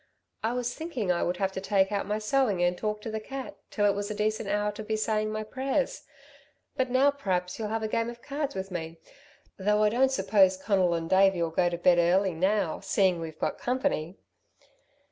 I was thinking I would have to take out my sewing and talk to the cat ... till it was a decent hour to be saying my prayers. But now p'raps you'll have a game of cards with me, though I don't suppose Conal and Davey'll go to bed early now, seeing we've got company."